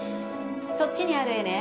そっちにある絵ね